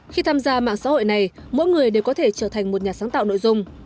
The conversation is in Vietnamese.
khi tham gia mạng xã hội này mỗi người đều có thể trở thành một nhà sáng tạo nội dung